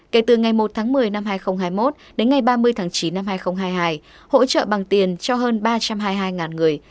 kể từ ngày một tháng một mươi năm hai nghìn hai mươi một đến ngày ba mươi tháng chín năm hai nghìn hai mươi hai hỗ trợ bằng tiền cho hơn ba trăm hai mươi hai người